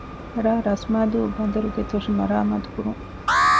ރ.ރަސްމާދޫ ބަނދަރުގެ ތޮށި މަރާމާތު ކުރުން